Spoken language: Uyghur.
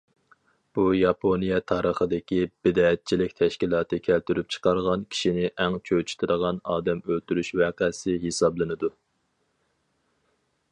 بۇ ياپونىيە تارىخىدىكى بىدئەتچىلىك تەشكىلاتى كەلتۈرۈپ چىقارغان كىشىنى ئەڭ چۆچۈتىدىغان ئادەم ئۆلتۈرۈش ۋەقەسى ھېسابلىنىدۇ.